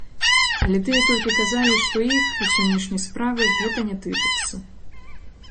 Але тыя толькі казалі, што іх і сённяшняй справы гэта не тычыцца.